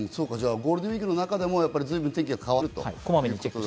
ゴールデンウイークの中でも随分、天気が変わってくると。